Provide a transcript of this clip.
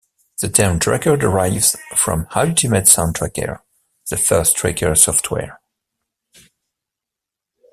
The term tracker derives from "Ultimate Soundtracker"; the first tracker software.